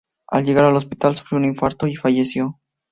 Al llegar al hospital sufrió un infarto y falleció.